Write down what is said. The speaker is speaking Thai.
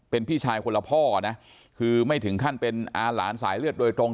เป็นพี่ชายคนละพ่อนะคือไม่ถึงขั้นเป็นอาหลานสายเลือดโดยตรง